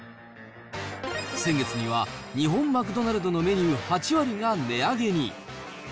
先月には、日本マクドナルドのメニュー８割が値上げに。